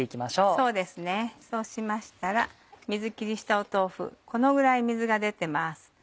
そうですねそうしましたら水切りした豆腐このぐらい水が出てます。